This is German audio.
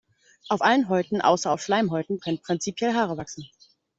Auf allen Häuten außer auf Schleimhäuten können prinzipiell Haare wachsen.